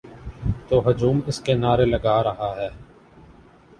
تو ہجوم اس کے نعرے لگا رہا ہے۔